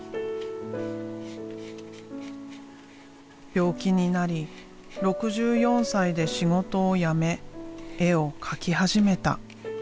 病気になり６４歳で仕事を辞め絵を描き始めた。